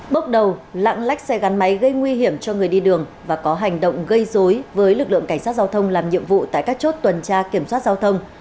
bước đầu lạng lách xe gắn máy gây nguy hiểm cho người đi đường và có hành động gây dối với lực lượng cảnh sát giao thông làm nhiệm vụ tại các chốt tuần tra kiểm soát giao thông